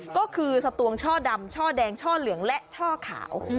ก็คือสตวงช่อดำช่อแดงช่อเหลืองและช่อขาว